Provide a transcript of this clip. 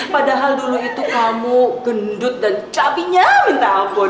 padahal dulu itu kamu gendut dan cabinya minta abon